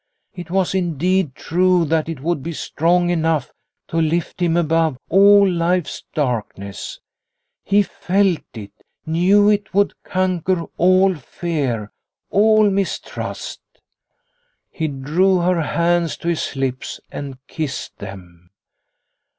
It was indeed true that it would be strong enough to lift him above all life's darkness. He felt it, knew it would conquer all fear, all mistrust. The Home 269 He drew her hands to his lips and kissed them.